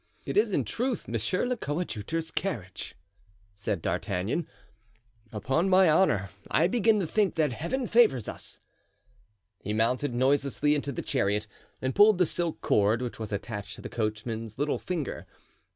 "It is, in truth, monsieur le coadjuteur's carriage," said D'Artagnan; "upon my honor I begin to think that Heaven favors us." He mounted noiselessly into the chariot and pulled the silk cord which was attached to the coachman's little finger.